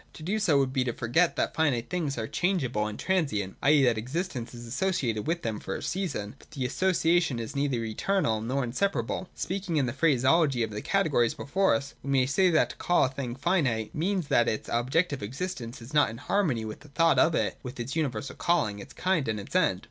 To do so would be to forget that finite things are changeable and transient, i.e. that existence is associated with them for a season, 1 93 ] NOTION AND OBJECT. 333 but that the association is neither eternal nor insepar able. Speaking in the phraseology of the categories before us, we may say that, to call a thing finite, means that its objective existence is not in harmony with the thought of it, with its universal calling, its kind and its end.